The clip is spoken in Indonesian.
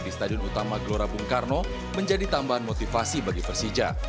di stadion utama gelora bung karno menjadi tambahan motivasi bagi persija